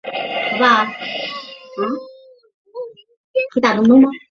清朝时改为满洲。